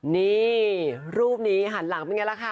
นี่รูปนี้หันหลังเป็นไงล่ะค่ะ